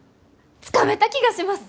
つかめた気がします！